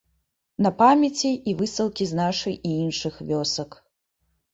На памяці і высылкі з нашай і іншых вёсак.